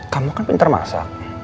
kamu kan pinter masak